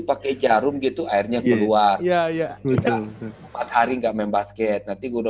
pakai jarum gitu airnya keluar empat hari enggak main basket nanti gua udah